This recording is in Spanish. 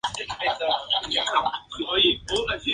Fue liberado tras pagar su fianza al día siguiente.